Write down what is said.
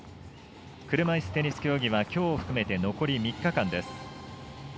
車いすテニス競技はきょうを含めて残り３日間です。